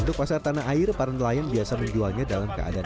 untuk pasar tanah air para nelayan biasa menjualnya dalam keadaan